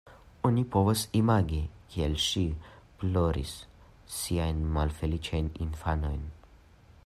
Oni povas imagi, kiel ŝi ploris siajn malfeliĉajn infanojn.